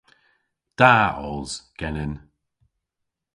Da os genen.